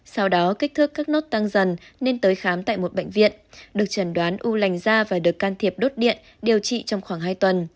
sau đó kích thước các nốt tăng dần nên tới khám tại một bệnh viện được trần đoán u lành da và được can thiệp đốt điện điều trị trong khoảng hai tuần